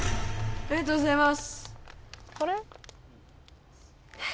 ありがとうございます。